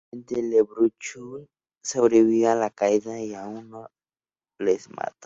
Obviamente Leprechaun ha sobrevivido a la caída, y, uno por uno, les mata.